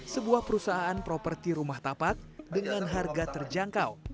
sebuah perusahaan properti rumah tapak dengan harga terjangkau